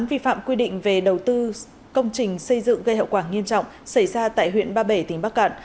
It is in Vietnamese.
vi phạm quy định về đầu tư công trình xây dựng gây hậu quả nghiêm trọng xảy ra tại huyện ba bể tỉnh bắc cạn